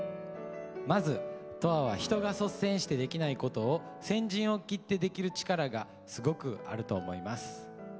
まず斗亜は人が率先してできないことを先陣を切ってできる力がすごくあると思います。